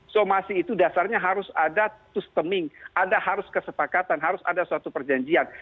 somasi itu dasarnya harus ada toosterming ada harus kesepakatan harus ada suatu perjanjian